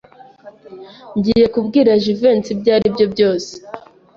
Ngiye kubwira Jivency ibyaribyo byose.